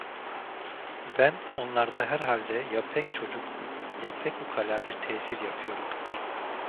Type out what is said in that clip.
Ben onlarda herhalde ya pek çocuk; ya pek ukala bir tesir yapıyorum.